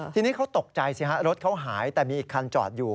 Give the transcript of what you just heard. ทีนี้เขาตกใจสิฮะรถเขาหายแต่มีอีกคันจอดอยู่